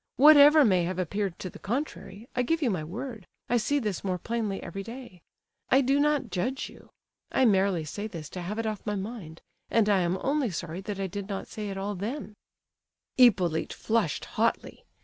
Whatever may have appeared to the contrary, I give you my word, I see this more plainly every day. I do not judge you; I merely say this to have it off my mind, and I am only sorry that I did not say it all then—" Hippolyte flushed hotly.